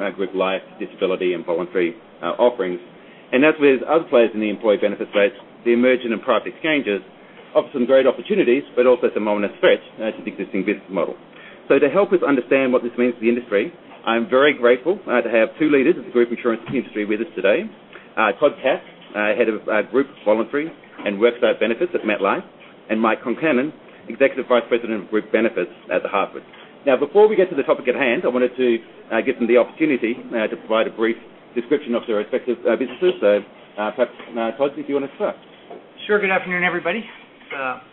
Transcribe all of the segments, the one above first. In group life, disability and voluntary offerings. As with other players in the employee benefits space, the emergent and private exchanges offer some great opportunities, also some ominous threats to the existing business model. To help us understand what this means for the industry, I'm very grateful to have two leaders of the group insurance industry with us today. Todd Katz, head of Group Voluntary and Worksite Benefits at MetLife, and Mike Concannon, Executive Vice President of Group Benefits at The Hartford. Before we get to the topic at hand, I wanted to give them the opportunity to provide a brief description of their respective businesses. Perhaps, Todd, if you want to start? Sure. Good afternoon, everybody.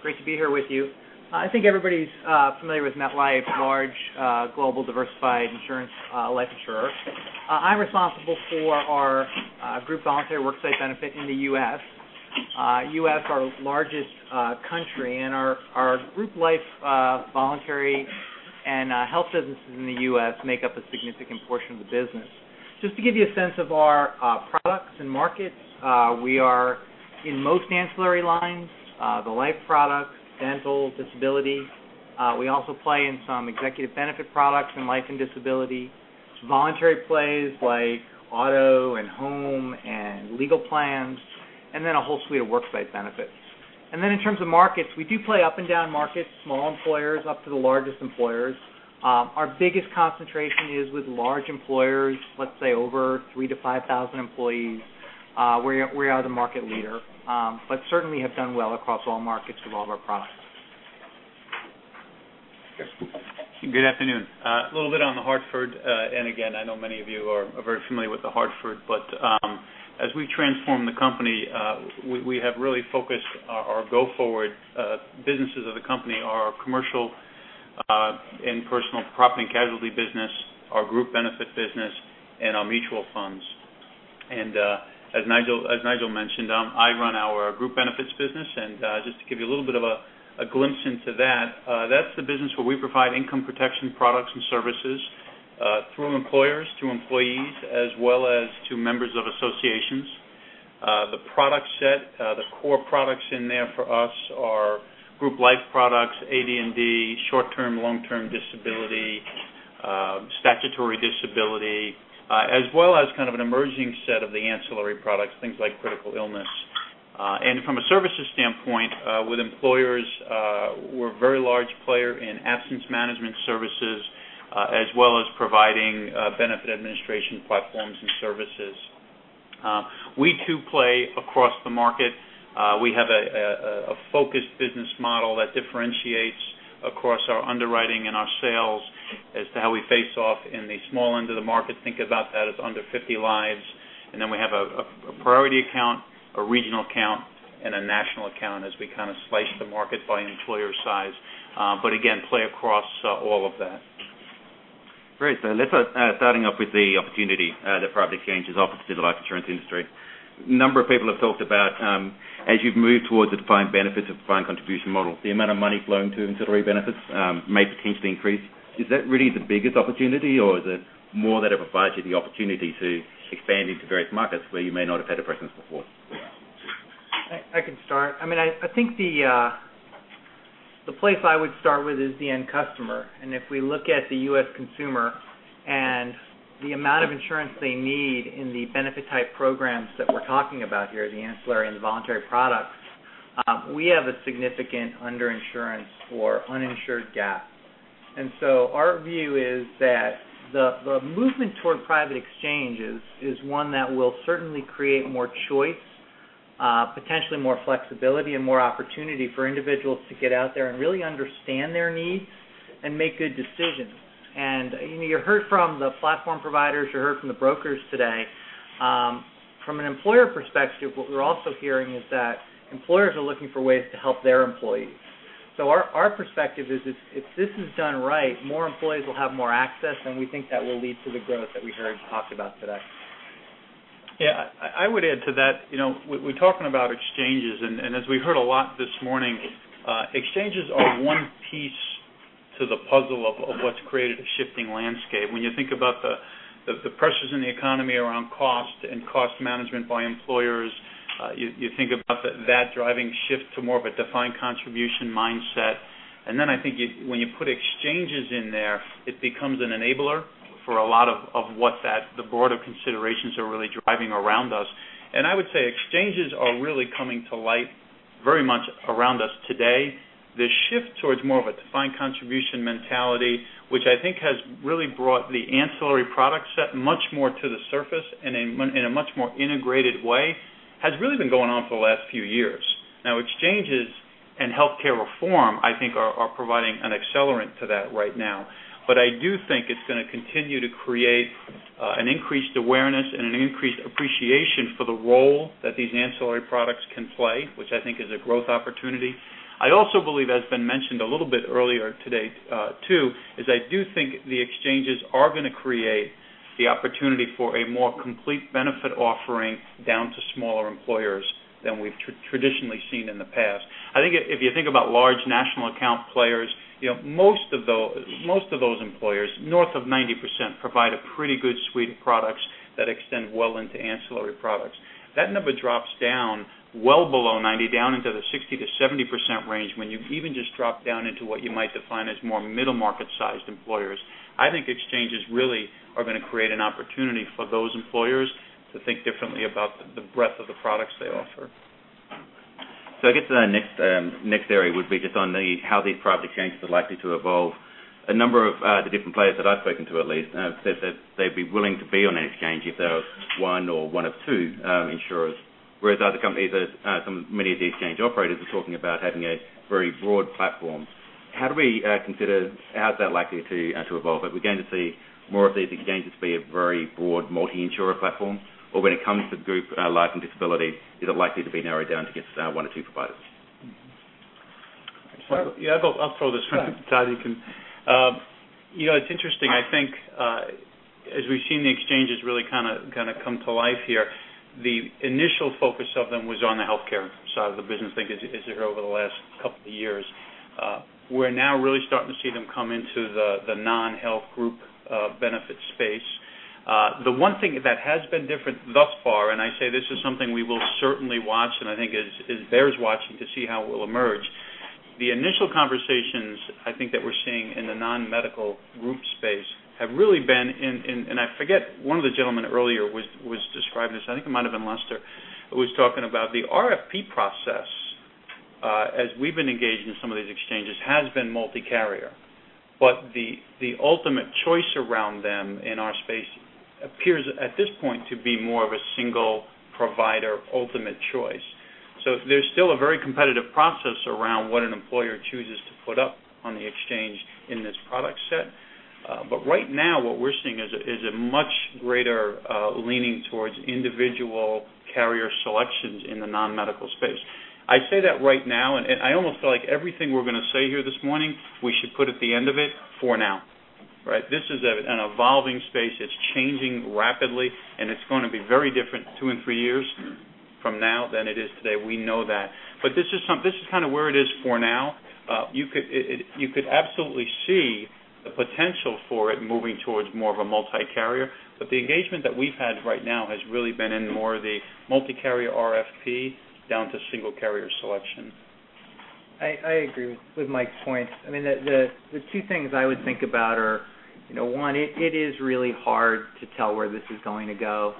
Great to be here with you. I think everybody's familiar with MetLife, large, global diversified insurance, life insurer. I'm responsible for our group voluntary worksite benefit in the U.S. Our largest country, and our group life voluntary and health businesses in the U.S. make up a significant portion of the business. To give you a sense of our products and markets, we are in most ancillary lines, the life products, dental, disability. We also play in some executive benefit products in life and disability. Voluntary plays like auto and home and Legal Plans, then a whole suite of worksite benefits. Then in terms of markets, we do play up and down markets, small employers up to the largest employers. Our biggest concentration is with large employers, let's say over 3,000-5,000 employees, we are the market leader. Certainly have done well across all markets with all of our products. Yes. Good afternoon. A little bit on The Hartford, again, I know many of you are very familiar with The Hartford. As we transform the company, we have really focused our go forward, businesses of the company are our commercial, and personal property and casualty business, our group benefit business, and our mutual funds. As Nigel mentioned, I run our group benefits business, to give you a little bit of a glimpse into that's the business where we provide income protection products and services, through employers to employees, as well as to members of associations. The product set, the core products in there for us are group life products, AD&D, short-term, long-term disability, statutory disability, as well as kind of an emerging set of the ancillary products, things like critical illness. From a services standpoint, with employers, we're a very large player in absence management services, as well as providing benefit administration platforms and services. We too play across the market. We have a focused business model that differentiates across our underwriting and our sales as to how we face off in the small end of the market. Think about that as under 50 lives. We have a priority account, a regional account, and a national account as we kind of slice the market by an employer's size. Again, play across all of that. Great. Let's start starting off with the opportunity that private exchanges offer to the life insurance industry. A number of people have talked about, as you've moved towards the defined benefits of defined contribution model, the amount of money flowing to ancillary benefits may potentially increase. Is that really the biggest opportunity, or is it more that it provides you the opportunity to expand into various markets where you may not have had a presence before? I can start. I think the place I would start with is the end customer, and if we look at the U.S. consumer and the amount of insurance they need in the benefit type programs that we're talking about here, the ancillary and the voluntary products, we have a significant underinsurance or uninsured gap. Our view is that the movement toward private exchanges is one that will certainly create more choice, potentially more flexibility and more opportunity for individuals to get out there and really understand their needs and make good decisions. You heard from the platform providers, you heard from the brokers today. From an employer perspective, what we're also hearing is that employers are looking for ways to help their employees. Our perspective is, if this is done right, more employees will have more access, and we think that will lead to the growth that we heard talked about today. I would add to that. We're talking about exchanges. As we heard a lot this morning, exchanges are one piece to the puzzle of what's created a shifting landscape. When you think about the pressures in the economy around cost and cost management by employers, you think about that driving shift to more of a defined contribution mindset. I think when you put exchanges in there, it becomes an enabler for a lot of the boarder considerations are really driving around us. I would say, exchanges are really coming to light very much around us today. The shift towards more of a defined contribution mentality, which I think has really brought the ancillary product set much more to the surface in a much more integrated way, has really been going on for the last few years. Exchanges and healthcare reform, I think, are providing an accelerant to that right now. I do think it's going to continue to create an increased awareness and an increased appreciation for the role that these ancillary products can play, which I think is a growth opportunity. I also believe, as been mentioned a little bit earlier today, too, is I do think the exchanges are going to create the opportunity for a more complete benefit offering down to smaller employers than we've traditionally seen in the past. I think if you think about large national account players, most of those employers, north of 90%, provide a pretty good suite of products that extend well into ancillary products. That number drops down well below 90, down into the 60%-70% range when you even just drop down into what you might define as more middle market-sized employers. I think exchanges really are going to create an opportunity for those employers to think differently about the breadth of the products they offer. I guess the next area would be just on how these product exchanges are likely to evolve. A number of the different players that I've spoken to at least, have said that they'd be willing to be on an exchange if they were one or one of two insurers, whereas other companies, many of the exchange operators are talking about having a very broad platform. How is that likely to evolve? Are we going to see more of these exchanges be a very broad multi-insurer platform? When it comes to group life and disability, is it likely to be narrowed down to just one or two providers? Yeah. I'll throw this one. Todd, you can. It's interesting. I think as we've seen the exchanges really come to life here, the initial focus of them was on the healthcare side of the business, I think, ACA, over the last couple of years. We're now really starting to see them come into the non-health group benefits space. The one thing that has been different thus far, and I say this is something we will certainly watch, and I think is bears watching to see how it will emerge. The initial conversations, I think, that we're seeing in the non-medical group space have really been in, and I forget, one of the gentlemen earlier was describing this, I think it might've been Lester. He was talking about the RFP process, as we've been engaged in some of these exchanges, has been multi-carrier. The ultimate choice around them in our space appears, at this point, to be more of a single provider ultimate choice. There's still a very competitive process around what an employer chooses to put up on the exchange in this product set. Right now, what we're seeing is a much greater leaning towards individual carrier selections in the non-medical space. I say that right now, and I almost feel like everything we're going to say here this morning, we should put at the end of it, for now. This is an evolving space, it's changing rapidly, and it's going to be very different two and three years from now than it is today. We know that. This is where it is for now. You could absolutely see the potential for it moving towards more of a multi-carrier. The engagement that we've had right now has really been in more of the multi-carrier RFP down to single carrier selection. I agree with Mike's point. The two things I would think about are, one, it is really hard to tell where this is going to go,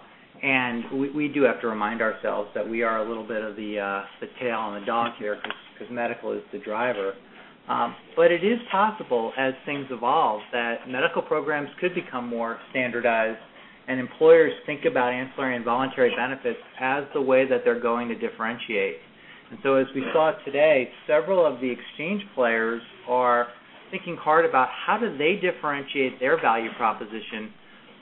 and we do have to remind ourselves that we are a little bit of the tail on the dog here, because medical is the driver. It is possible, as things evolve, that medical programs could become more standardized and employers think about ancillary and voluntary benefits as the way that they're going to differentiate. As we saw today, several of the exchange players are thinking hard about how do they differentiate their value proposition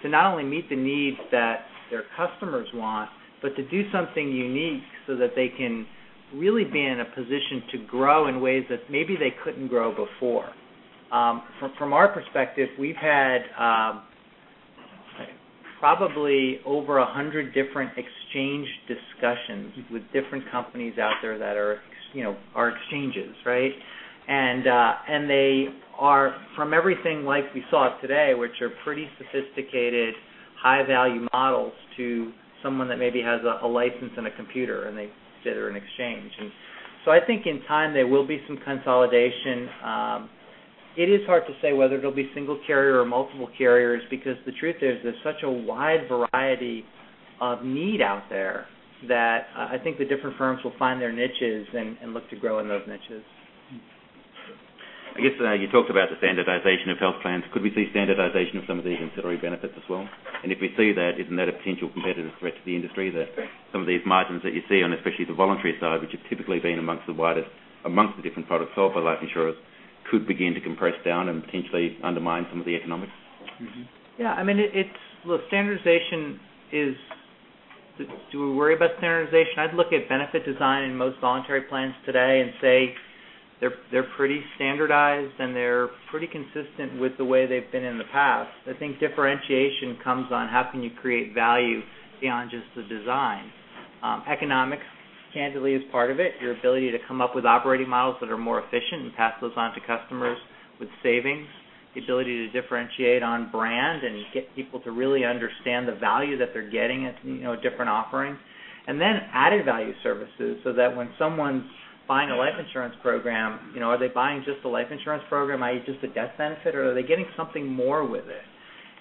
to not only meet the needs that their customers want, but to do something unique so that they can really be in a position to grow in ways that maybe they couldn't grow before. From our perspective, we've had probably over 100 different exchange discussions with different companies out there that are exchanges. They are from everything like we saw today, which are pretty sophisticated, high-value models, to someone that maybe has a license and a computer, and they consider it an exchange. I think in time there will be some consolidation. It is hard to say whether it will be single carrier or multiple carriers because the truth is, there's such a wide variety of need out there that I think the different firms will find their niches and look to grow in those niches. I guess you talked about the standardization of health plans. Could we see standardization of some of these ancillary benefits as well? If we see that, isn't that a potential competitive threat to the industry, that some of these margins that you see on, especially the voluntary side, which have typically been amongst the widest amongst the different products sold by life insurers, could begin to compress down and potentially undermine some of the economics? Yeah. Look, do we worry about standardization? I'd look at benefit design in most voluntary plans today and say they're pretty standardized and they're pretty consistent with the way they've been in the past. I think differentiation comes on how can you create value beyond just the design. Economics, candidly, is part of it. Your ability to come up with operating models that are more efficient and pass those on to customers with savings. The ability to differentiate on brand and get people to really understand the value that they're getting at different offerings. Then added value services so that when someone's buying a life insurance program, are they buying just a life insurance program, i.e., just a death benefit, or are they getting something more with it?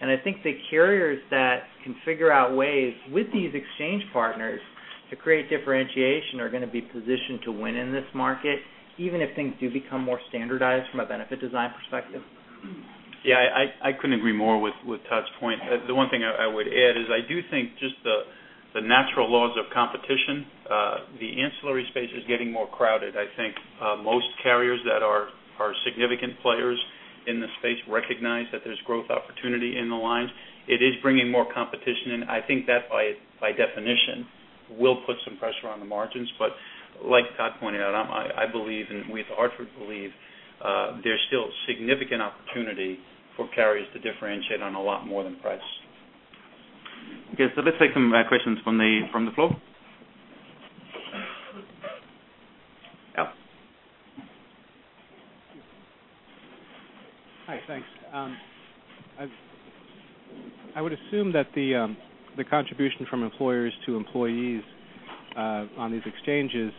I think the carriers that can figure out ways with these exchange partners to create differentiation are going to be positioned to win in this market, even if things do become more standardized from a benefit design perspective. Yeah, I couldn't agree more with Todd's point. The one thing I would add is I do think just the natural laws of competition, the ancillary space is getting more crowded. I think most carriers that are significant players in this space recognize that there's growth opportunity in the lines. It is bringing more competition in. I think that by definition will put some pressure on the margins. Like Todd pointed out, I believe, and we at Hartford believe, there's still significant opportunity for carriers to differentiate on a lot more than price. Okay. Let's take some questions from the floor. Hi, thanks. I would assume that the contribution from employers to employees on these exchanges,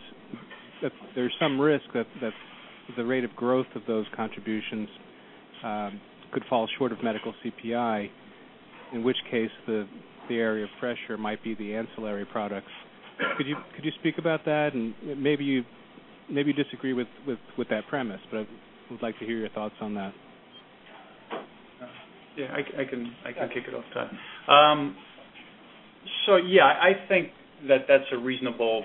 that there's some risk that the rate of growth of those contributions could fall short of medical CPI. In which case, the area of pressure might be the ancillary products. Could you speak about that? Maybe you disagree with that premise, but I would like to hear your thoughts on that. Yeah, I can kick it off, Todd. Yeah, I think that that's a reasonable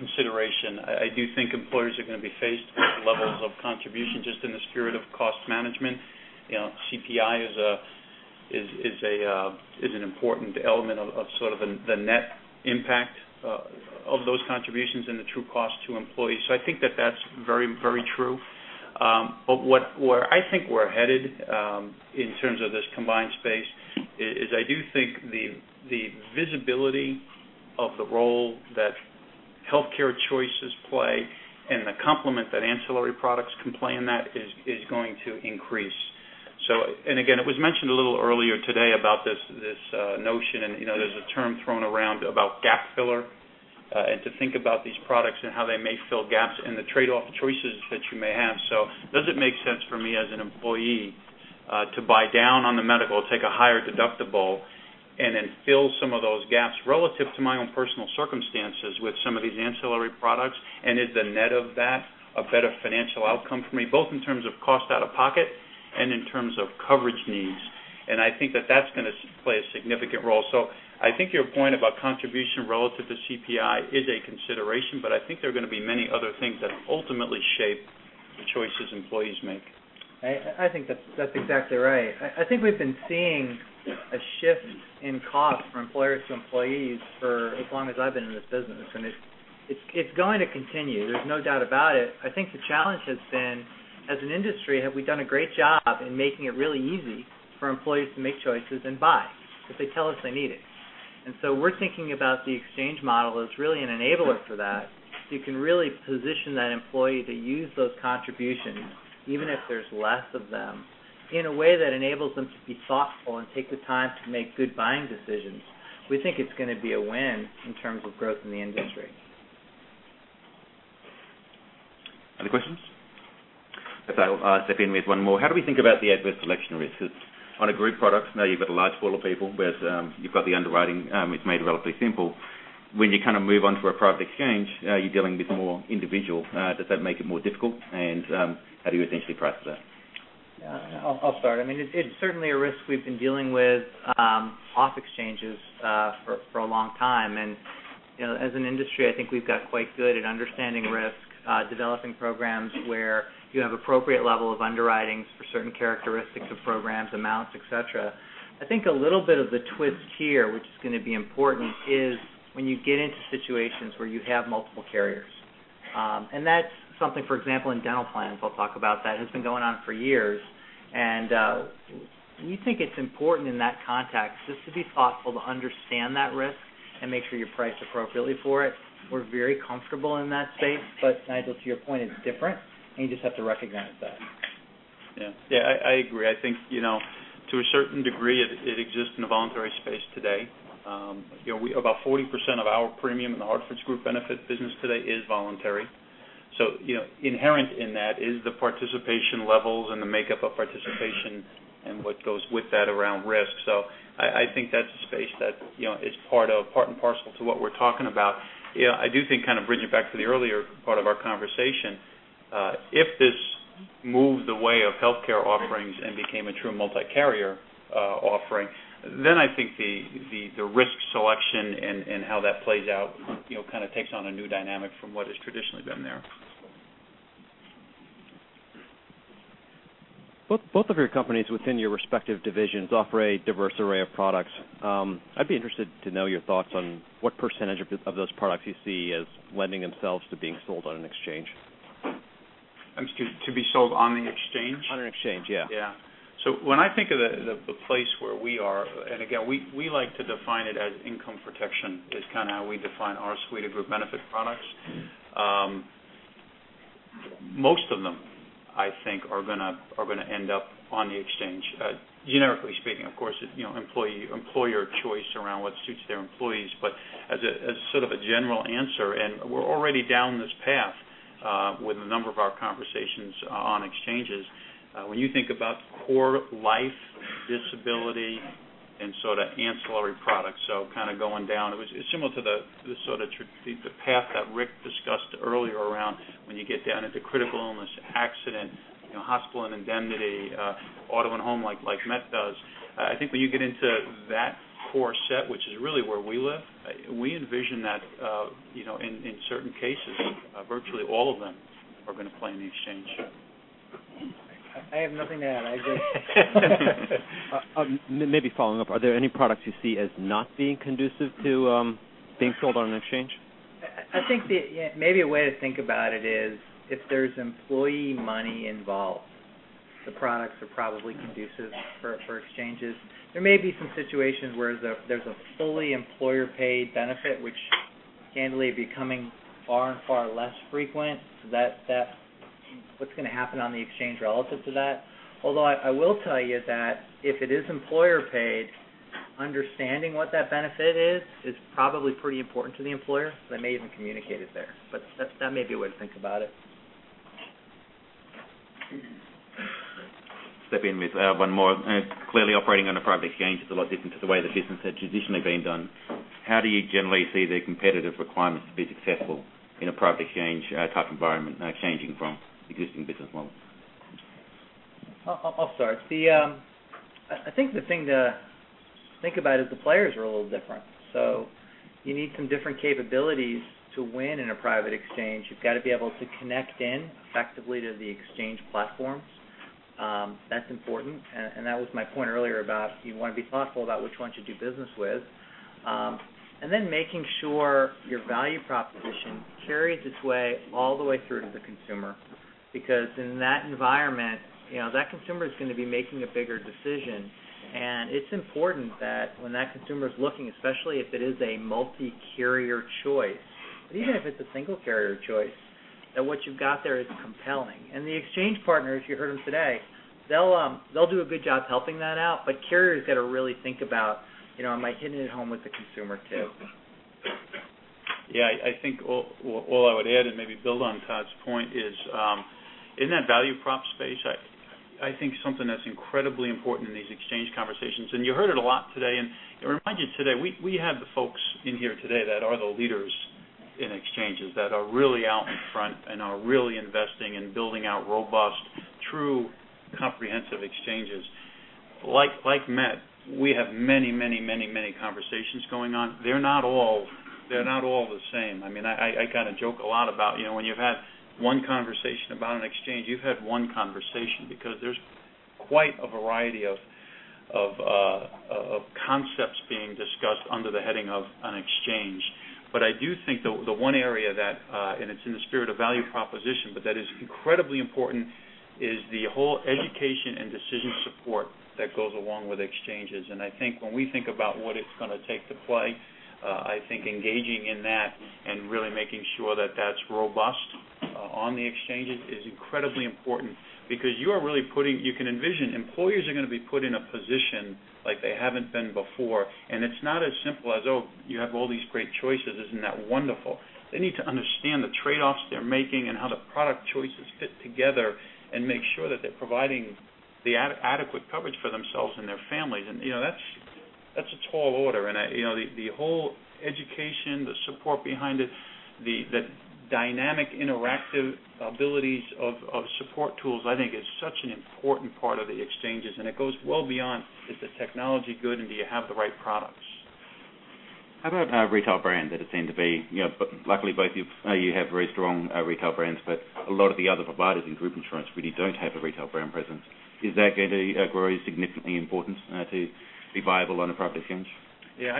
consideration. I do think employers are going to be faced with levels of contribution just in the spirit of cost management. CPI is an important element of the net impact of those contributions and the true cost to employees. I think that that's very true. Where I think we're headed in terms of this combined space is I do think the visibility of the role that healthcare choices play and the complement that ancillary products can play in that is going to increase. Again, it was mentioned a little earlier today about this notion, and there's a term thrown around about gap filler, and to think about these products and how they may fill gaps in the trade-off choices that you may have. Does it make sense for me as an employee to buy down on the medical, take a higher deductible, then fill some of those gaps relative to my own personal circumstances with some of these ancillary products? Is the net of that a better financial outcome for me, both in terms of cost out of pocket and in terms of coverage needs? I think that that's going to play a significant role. I think your point about contribution relative to CPI is a consideration, but I think there are going to be many other things that ultimately shape the choices employees make. I think that's exactly right. I think we've been seeing a shift in cost from employers to employees for as long as I've been in this business, and it's going to continue. There's no doubt about it. I think the challenge has been, as an industry, have we done a great job in making it really easy for employees to make choices and buy if they tell us they need it? We're thinking about the exchange model as really an enabler for that. You can really position that employee to use those contributions, even if there's less of them, in a way that enables them to be thoughtful and take the time to make good buying decisions. We think it's going to be a win in terms of growth in the industry. Other questions? If I step in with one more. How do we think about the adverse selection risks? On a group product, now you've got a large pool of people, whereas you've got the underwriting, it's made relatively simple. When you move on to a private exchange, you're dealing with more individual. Does that make it more difficult? How do you essentially price for that? I'll start. It's certainly a risk we've been dealing with off exchanges for a long time. As an industry, I think we've got quite good at understanding risk, developing programs where you have appropriate level of underwriting for certain characteristics of programs, amounts, et cetera. I think a little bit of the twist here, which is going to be important, is when you get into situations where you have multiple carriers. That's something, for example, in dental plans, I'll talk about that, has been going on for years. We think it's important in that context just to be thoughtful to understand that risk and make sure you're priced appropriately for it. We're very comfortable in that space. Nigel, to your point, it's different, and you just have to recognize that. Yeah. I agree. I think, to a certain degree, it exists in a voluntary space today. About 40% of our premium in The Hartford group benefit business today is voluntary. Inherent in that is the participation levels and the makeup of participation and what goes with that around risk. I think that's a space that is part and parcel to what we're talking about. I do think bringing it back to the earlier part of our conversation, if this moves the way of healthcare offerings and became a true multi-carrier offering, then I think the risk selection and how that plays out takes on a new dynamic from what has traditionally been there. Both of your companies within your respective divisions offer a diverse array of products. I'd be interested to know your thoughts on what % of those products you see as lending themselves to being sold on an exchange. Excuse me. To be sold on the exchange? On an exchange, yeah. Yeah. When I think of the place where we are, and again, we like to define it as income protection, is how we define our suite of group benefits products. Most of them, I think, are going to end up on the exchange. Generically speaking, of course, employer choice around what suits their employees. As a general answer, and we're already down this path with a number of our conversations on exchanges. When you think about core life, disability, and ancillary products, going down. It's similar to the path that Rick discussed earlier around when you get down into critical illness, accident insurance, hospital indemnity, auto and home like Met does. I think when you get into that core set, which is really where we live, we envision that in certain cases, virtually all of them are going to play in the exchange. I have nothing to add. I agree. Maybe following up, are there any products you see as not being conducive to being sold on an exchange? Maybe a way to think about it is if there's employee money involved, the products are probably conducive for exchanges. There may be some situations where there's a fully employer-paid benefit candidly becoming far, far less frequent. What's going to happen on the exchange relative to that? I will tell you that if it is employer paid, understanding what that benefit is probably pretty important to the employer. They may even communicate it there, but that may be a way to think about it. Step in with one more. Clearly operating on a private exchange is a lot different to the way the business had traditionally been done. How do you generally see the competitive requirements to be successful in a private exchange type environment changing from existing business models? I'll start. I think the thing to think about is the players are a little different. You need some different capabilities to win in a private exchange. You've got to be able to connect in effectively to the exchange platforms. That's important, and that was my point earlier about, you want to be thoughtful about which ones you do business with. Then making sure your value proposition carries its way all the way through to the consumer, because in that environment, that consumer is going to be making a bigger decision. It's important that when that consumer is looking, especially if it is a multi-carrier choice, but even if it's a single carrier choice, that what you've got there is compelling. The exchange partners, you heard them today, they'll do a good job helping that out. Carriers got to really think about, am I hitting it home with the consumer, too? Yeah, I think all I would add and maybe build on Todd's point is, in that value prop space, I think something that's incredibly important in these exchange conversations, and you heard it a lot today, and remind you today, we have the folks in here today that are the leaders in exchanges that are really out in front and are really investing in building out robust, true, comprehensive exchanges. Like MetLife, we have many, many, many, many conversations going on. They're not all the same. I kind of joke a lot about when you've had one conversation about an exchange, you've had one conversation, because there's quite a variety of concepts being discussed under the heading of an exchange. I do think the one area that, and it's in the spirit of value proposition, but that is incredibly important is the whole education and decision support that goes along with exchanges. I think when we think about what it's going to take to play, I think engaging in that and really making sure that that's robust on the exchanges is incredibly important because You can envision employers are going to be put in a position like they haven't been before. It's not as simple as, "Oh, you have all these great choices. Isn't that wonderful?" They need to understand the trade-offs they're making and how the product choices fit together and make sure that they're providing the adequate coverage for themselves and their families. That's a tall order. The whole education, the support behind it, the dynamic interactive abilities of support tools, I think is such an important part of the exchanges, it goes well beyond, is the technology good and do you have the right products? How about retail brand? That would seem to be, luckily, both of you have very strong retail brands, but a lot of the other providers in group insurance really don't have a retail brand presence. Is that going to grow significantly important to be viable on a private exchange? Yeah.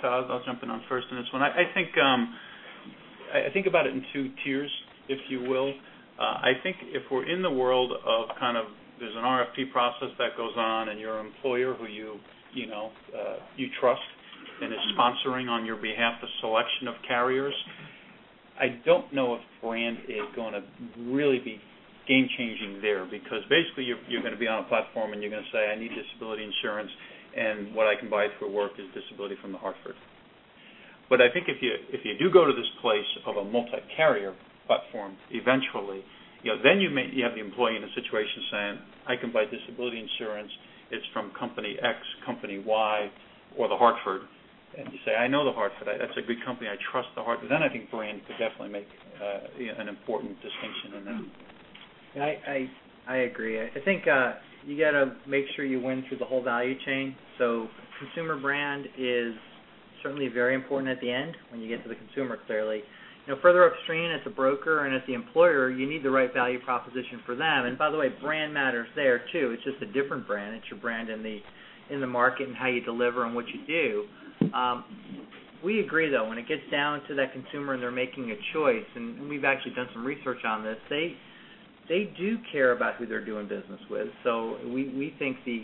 Todd, I'll jump in on first in this one. I think about it in two tiers, if you will. I think if we're in the world of there's an RFP process that goes on and your employer who you trust and is sponsoring on your behalf, the selection of carriers, I don't know if brand is going to really be game changing there because basically you're going to be on a platform and you're going to say, "I need disability insurance, and what I can buy for work is disability from The Hartford." I think if you do go to this place of a multi-carrier platform eventually, then you have the employee in a situation saying, "I can buy disability insurance. It's from company X, company Y, or The Hartford." You say, "I know The Hartford. That's a great company. I trust The Hartford. I think brand could definitely make an important distinction in that. I agree. I think you got to make sure you win through the whole value chain. Consumer brand is certainly very important at the end when you get to the consumer, clearly. Further upstream as a broker and as the employer, you need the right value proposition for them. By the way, brand matters there, too. It's just a different brand. It's your brand in the market and how you deliver and what you do. We agree, though, when it gets down to that consumer and they're making a choice, and we've actually done some research on this, they do care about who they're doing business with. We think the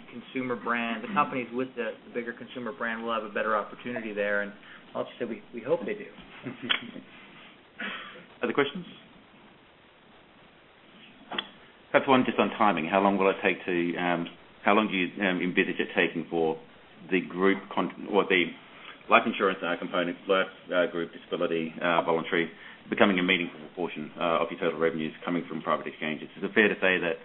companies with the bigger consumer brand will have a better opportunity there. I'll just say we hope they do. Other questions? Perhaps one just on timing. How long do you envisage it taking for the life insurance component, life, group disability, voluntary, becoming a meaningful proportion of your total revenues coming from private exchanges? Is it fair to say that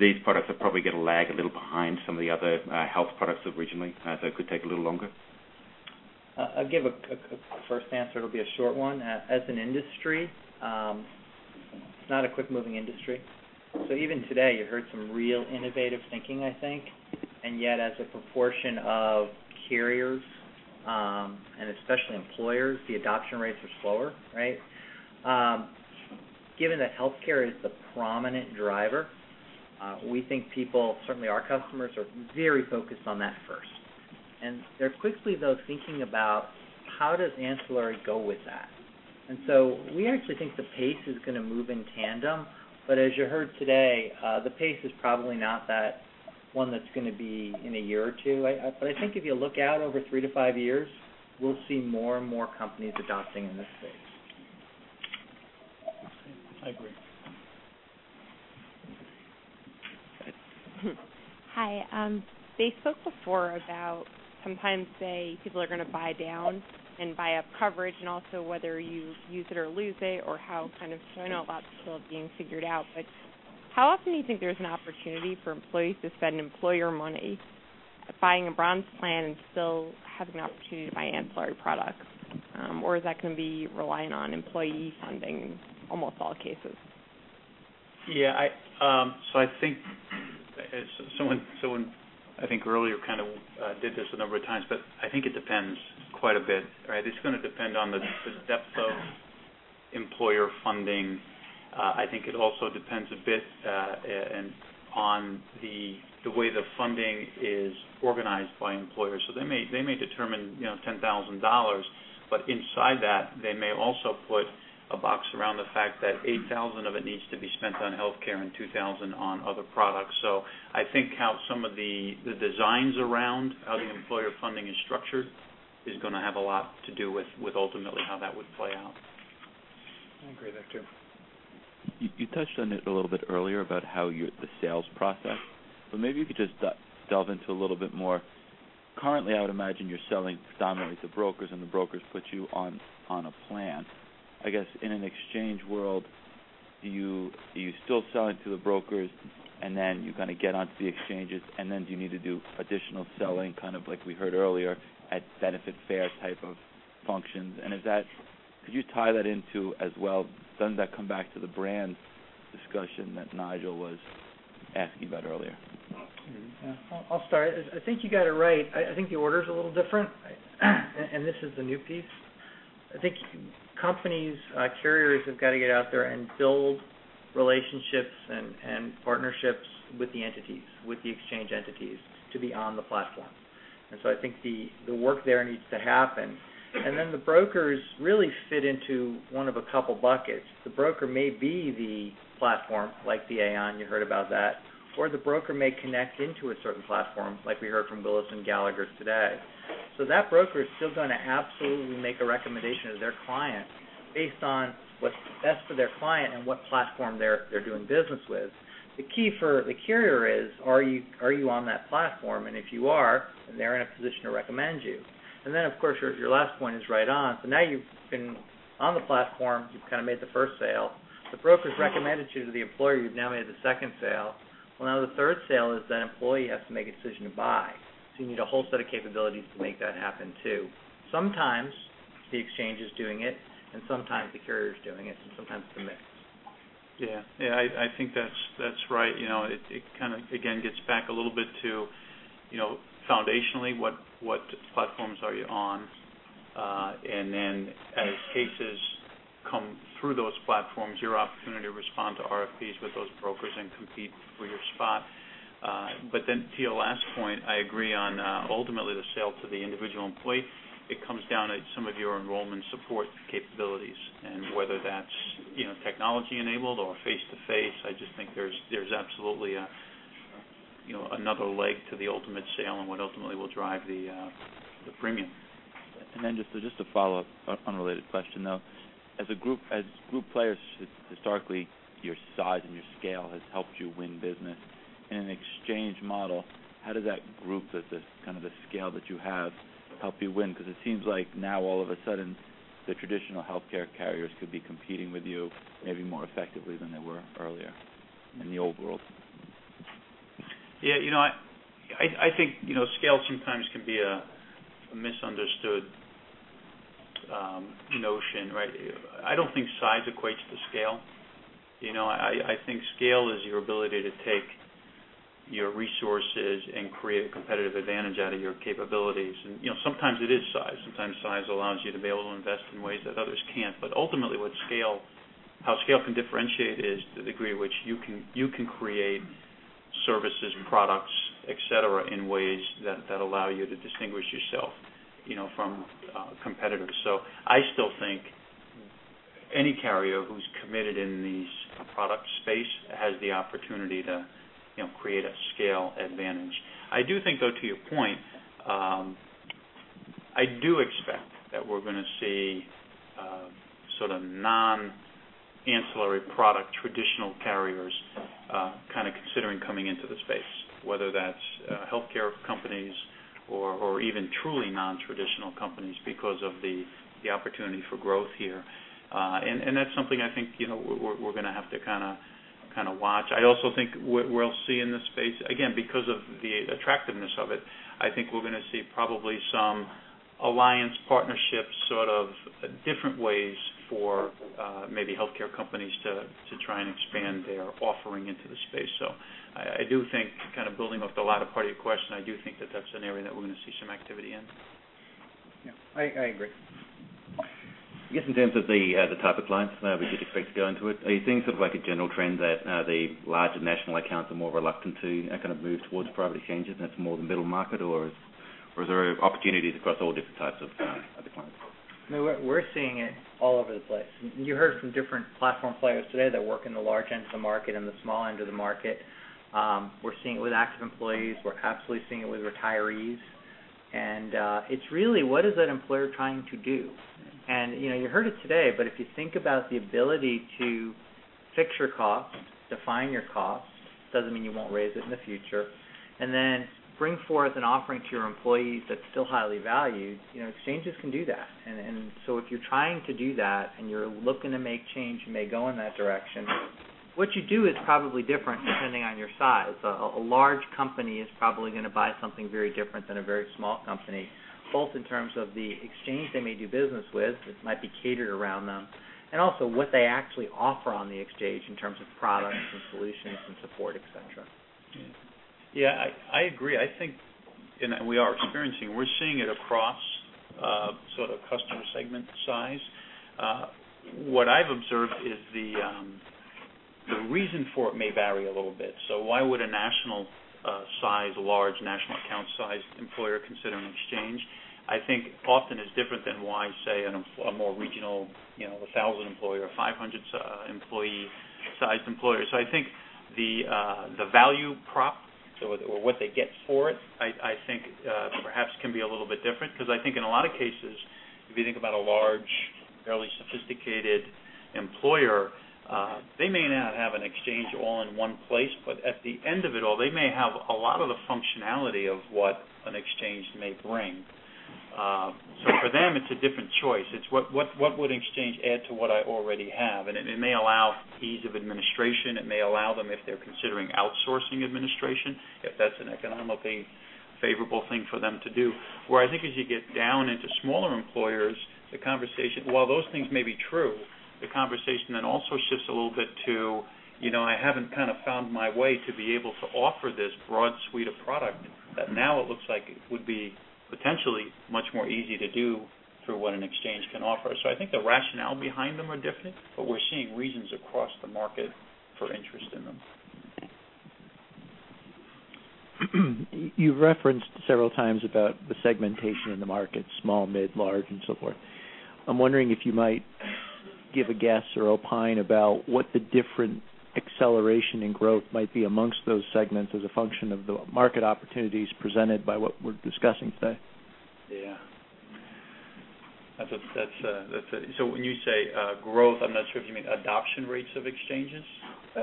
these products are probably going to lag a little behind some of the other health products originally, it could take a little longer? I'll give a first answer. It'll be a short one. As an industry, it's not a quick-moving industry. Even today, you heard some real innovative thinking, I think. Yet, as a proportion of carriers, and especially employers, the adoption rates are slower, right? Given that healthcare is the prominent driver, we think people, certainly our customers, are very focused on that first. They're quickly, though, thinking about how does ancillary go with that? We actually think the pace is going to move in tandem. As you heard today, the pace is probably not that one that's going to be in a year or two. I think if you look out over three to five years, we'll see more and more companies adopting in this space. I agree. Okay. Hi. They spoke before about sometimes, say, people are going to buy down and buy up coverage, and also whether you use it or lose it, or how kind of showing a lot still being figured out. How often do you think there's an opportunity for employees to spend employer money buying a bronze plan and still have an opportunity to buy ancillary products? Is that going to be reliant on employee funding in almost all cases? Yeah. I think someone earlier kind of did this a number of times, but I think it depends quite a bit, right? It's going to depend on the depth of employer funding. I think it also depends a bit on the way the funding is organized by employers. They may determine $10,000, but inside that, they may also put a box around the fact that $8,000 of it needs to be spent on healthcare and $2,000 on other products. I think how some of the designs around how the employer funding is structured is going to have a lot to do with ultimately how that would play out. I agree with that, too. You touched on it a little bit earlier about the sales process. Maybe you could just delve into a little bit more. Currently, I would imagine you're selling predominantly to brokers, and the brokers put you on a plan. I guess in an exchange world, do you still sell it to the brokers, and then you kind of get onto the exchanges, and then do you need to do additional selling, kind of like we heard earlier at benefit fair type of functions? Could you tie that into as well, doesn't that come back to the brand discussion that Nigel was asking about earlier? I'll start. I think you got it right. I think the order's a little different, and this is the new piece. I think companies, carriers have got to get out there and build relationships and partnerships with the entities, with the exchange entities to be on the platform. I think the work there needs to happen. The brokers really fit into one of a couple buckets. The broker may be the platform, like the Aon, you heard about that, or the broker may connect into a certain platform, like we heard from Willis and Gallagher today. That broker is still going to absolutely make a recommendation to their client based on what's best for their client and what platform they're doing business with. The key for the carrier is, are you on that platform? If you are, then they're in a position to recommend you. Of course, your last point is right on. Now you've been on the platform, you've kind of made the first sale. The broker's recommended you to the employer, you've now made the second sale. Now the third sale is that employee has to make a decision to buy. You need a whole set of capabilities to make that happen, too. Sometimes the exchange is doing it, and sometimes the carrier is doing it, and sometimes it's a mix. I think that's right. It kind of, again, gets back a little bit to foundationally what platforms are you on? As cases come through those platforms, your opportunity to respond to RFPs with those brokers and compete for your spot. To your last point, I agree on ultimately the sale to the individual employee. It comes down to some of your enrollment support capabilities and whether that's technology enabled or face-to-face. I just think there's absolutely another leg to the ultimate sale and what ultimately will drive the premium. just a follow-up, unrelated question, though. As group players, historically, your size and your scale has helped you win business. In an exchange model, how does that group, that kind of the scale that you have helped you win? Because it seems like now all of a sudden, the traditional healthcare carriers could be competing with you maybe more effectively than they were earlier in the old world. Yeah. I think scale sometimes can be a misunderstood notion, right? I don't think size equates to scale. I think scale is your ability to take your resources and create a competitive advantage out of your capabilities. Sometimes it is size. Sometimes size allows you to be able to invest in ways that others can't. Ultimately how scale can differentiate is the degree to which you can create services and products, et cetera, in ways that allow you to distinguish yourself from competitors. I still think any carrier who's committed in this product space has the opportunity to create a scale advantage. I do think, though, to your point, I do expect that we're going to see sort of non-ancillary product traditional carriers kind of considering coming into the space, whether that's healthcare companies or even truly non-traditional companies because of the opportunity for growth here. That's something I think we're going to have to kind of watch. I also think what we'll see in this space, again, because of the attractiveness of it, I think we're going to see probably some alliance partnerships, sort of different ways for maybe healthcare companies to try and expand their offering into the space. I do think, kind of building off the latter part of your question, I do think that that's an area that we're going to see some activity in. Yeah. I agree. I guess in terms of the type of clients we could expect to go into it, are you seeing sort of like a general trend that the larger national accounts are more reluctant to kind of move towards private exchanges, and it's more the middle market? Is there opportunities across all different types of clients? We're seeing it all over the place. You heard from different platform players today that work in the large end of the market and the small end of the market. We're seeing it with active employees. We're absolutely seeing it with retirees. It's really, what is that employer trying to do? You heard it today, but if you think about the ability to fix your costs, define your costs, doesn't mean you won't raise it in the future, and then bring forth an offering to your employees that's still highly valued, exchanges can do that. If you're trying to do that and you're looking to make change and may go in that direction, what you do is probably different depending on your size. A large company is probably going to buy something very different than a very small company, both in terms of the exchange they may do business with, which might be catered around them, and also what they actually offer on the exchange in terms of products and solutions and support, et cetera. Yeah. I agree. I think, we are experiencing, we're seeing it across sort of customer segment size. What I've observed is the reason for it may vary a little bit. Why would a national size, large national account size employer consider an exchange? I think often it's different than why, say, a more regional, 1,000 employer or 500 employee size employer. I think the value prop or what they get for it, I think perhaps can be a little bit different, because I think in a lot of cases, if you think about a large, fairly sophisticated employer, they may not have an exchange all in one place, but at the end of it all, they may have a lot of the functionality of what an exchange may bring. For them, it's a different choice. It's what would exchange add to what I already have? It may allow ease of administration. It may allow them, if they're considering outsourcing administration, if that's an economically favorable thing for them to do. Where I think as you get down into smaller employers, while those things may be true, the conversation then also shifts a little bit to, I haven't found my way to be able to offer this broad suite of product that now it looks like it would be potentially much more easy to do through what an exchange can offer. I think the rationale behind them are different, but we're seeing reasons across the market for interest in them. You referenced several times about the segmentation in the market, small, mid, large, and so forth. I'm wondering if you might give a guess or opine about what the different acceleration in growth might be amongst those segments as a function of the market opportunities presented by what we're discussing today. Yeah. When you say growth, I'm not sure if you mean adoption rates of exchanges?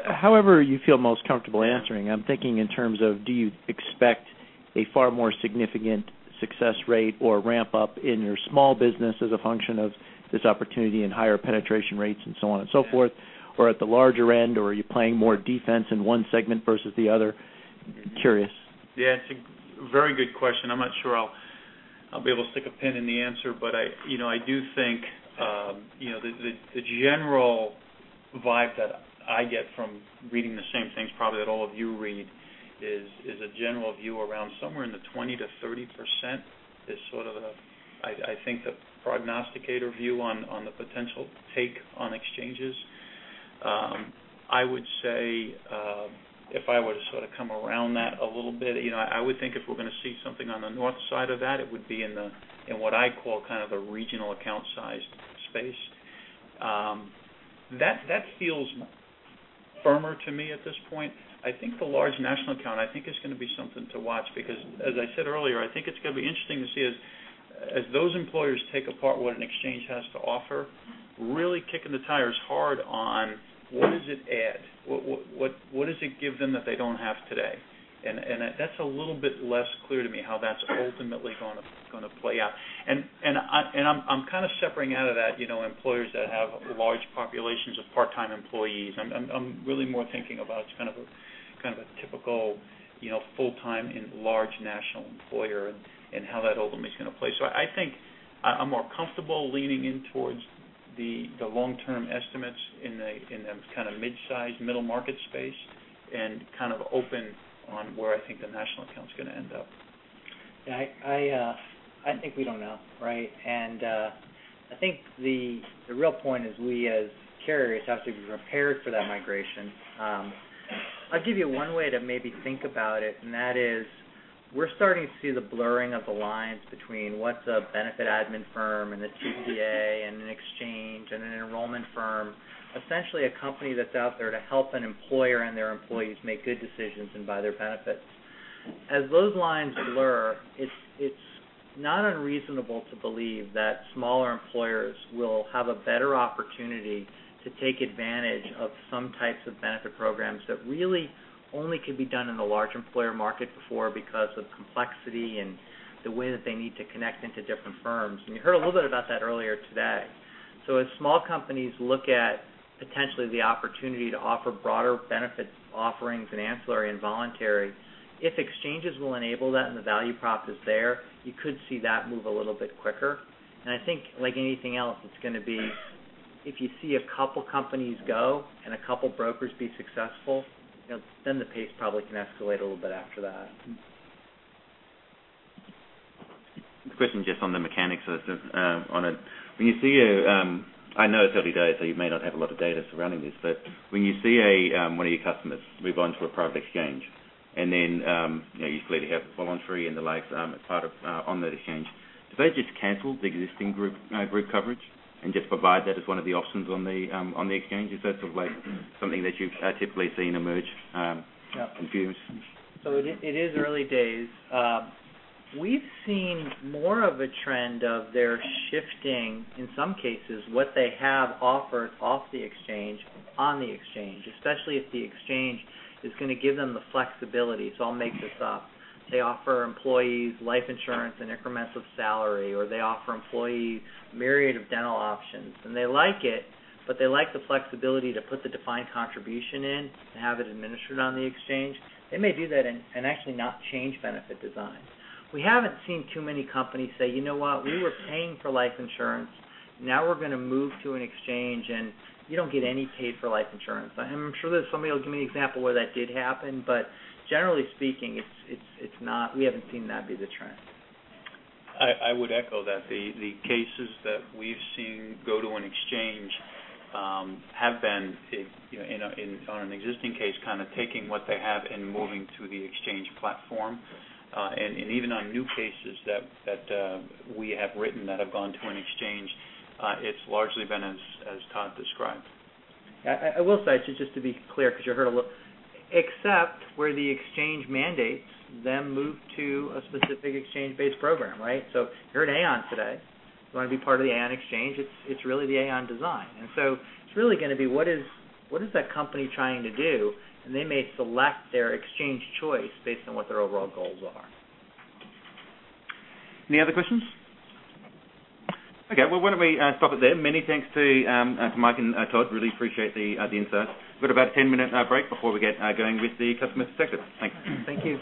However you feel most comfortable answering. I'm thinking in terms of, do you expect a far more significant success rate or ramp-up in your small business as a function of this opportunity and higher penetration rates and so on and so forth? Or at the larger end, or are you playing more defense in one segment versus the other? Curious. Yeah. It's a very good question. I'm not sure I'll be able to stick a pin in the answer, but I do think the general vibe that I get from reading the same things probably that all of you read is a general view around somewhere in the 20%-30% is sort of the, I think, the prognosticator view on the potential take on exchanges. I would say, if I were to sort of come around that a little bit, I would think if we're going to see something on the north side of that, it would be in what I call a regional account sized space. That feels firmer to me at this point. I think the large national account, I think it's going to be something to watch because, as I said earlier, I think it's going to be interesting to see as those employers take apart what an exchange has to offer, really kicking the tires hard on what does it add? What does it give them that they don't have today? That's a little bit less clear to me how that's ultimately going to play out. I'm kind of separating out of that employers that have large populations of part-time employees. I'm really more thinking about kind of a typical full-time and large national employer and how that ultimately is going to play. I think I'm more comfortable leaning in towards the long-term estimates in the kind of mid-size, middle market space, and kind of open on where I think the national account's going to end up. Yeah. I think we don't know, right? I think the real point is we as carriers have to be prepared for that migration. I'll give you one way to maybe think about it, that is we're starting to see the blurring of the lines between what's a benefit admin firm and a TPA and an exchange and an enrollment firm. Essentially, a company that's out there to help an employer and their employees make good decisions and buy their benefits. As those lines blur, it's not unreasonable to believe that smaller employers will have a better opportunity to take advantage of some types of benefit programs that really only could be done in the large employer market before because of complexity and the way that they need to connect into different firms. You heard a little bit about that earlier today. As small companies look at potentially the opportunity to offer broader benefit offerings and ancillary and voluntary, if exchanges will enable that and the value prop is there, you could see that move a little bit quicker. I think, like anything else, it's going to be if you see a couple companies go and a couple brokers be successful, then the pace probably can escalate a little bit after that. A question just on the mechanics of it. I know it's early days, so you may not have a lot of data surrounding this, but when you see one of your customers move on to a private exchange and then, you clearly have voluntary and the likes on that exchange, do they just cancel the existing group coverage and just provide that as one of the options on the exchange? Is that something that you've typically seen emerge and used? It is early days. We've seen more of a trend of their shifting, in some cases, what they have offered off the exchange on the exchange, especially if the exchange is going to give them the flexibility. I'll make this up. They offer employees life insurance in increments of salary, or they offer employees a myriad of dental options. They like it, but they like the flexibility to put the defined contribution in and have it administered on the exchange. They may do that and actually not change benefit design. We haven't seen too many companies say, "You know what? We were paying for life insurance. Now we're going to move to an exchange, and you don't get any pay for life insurance." I'm sure that somebody will give me an example where that did happen. Generally speaking, we haven't seen that be the trend. I would echo that. The cases that we've seen go to an exchange have been, on an existing case, taking what they have and moving to the exchange platform. Even on new cases that we have written that have gone to an exchange, it's largely been as Todd described. I will say, just to be clear, because you heard a little, except where the exchange mandates them move to a specific exchange-based program. You're at Aon today. You want to be part of the Aon exchange, it's really the Aon design. It's really going to be what is that company trying to do? They may select their exchange choice based on what their overall goals are. Any other questions? Okay, well, why don't we stop it there? Many thanks to Mike and Todd. Really appreciate the insight. We've got about a 10-minute break before we get going with the customer perspectives. Thanks. Thank you